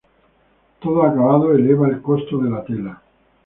Todo acabado eleva el costo de la tela.